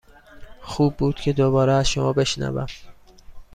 خوب بود که دوباره از شما بشنوم.